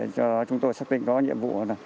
cho chúng tôi xác định có nhiệm vụ